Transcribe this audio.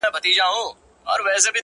ځوان ناست دی-